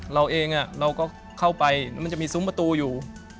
เราเองเราก็เข้าไปแล้วมันจะมีซุ้มประตูอยู่